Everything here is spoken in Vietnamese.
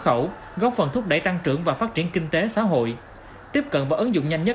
khẩu góp phần thúc đẩy tăng trưởng và phát triển kinh tế xã hội tiếp cận và ứng dụng nhanh nhất